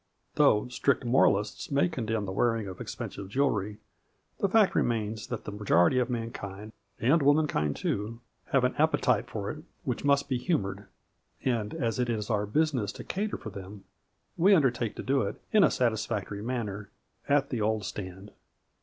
Though strict moralists may condemn the wearing of expensive jewelry, the fact remains that the majority of mankind, and womankind too, have an appetite for it which must be humored, and, as it is our business to cater for them, we undertake to do it, in a satisfactory manner, " at the old stand."